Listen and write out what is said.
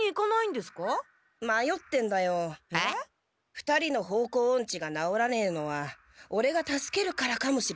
２人の方向オンチがなおらねえのはオレが助けるからかもしれねえ。